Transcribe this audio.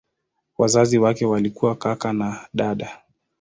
Wazazi wake walikuwa kaka na dada.